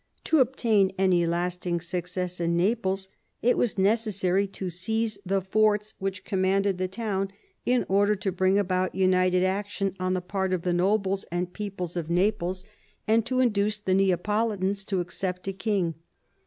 To obtain any lasting success in Naples it was necessary to seize the forts which com manded the town in order to bring about united action on the part of the nobles and people of Naples, and to n THE REBELLION IN NAPLES 81 induce the Neapolitans to accept a king.